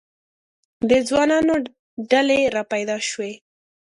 د ځوانانو ډلې را پیدا شوې.